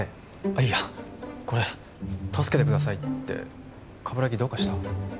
あっいやこれ「助けてください」って鏑木どうかした？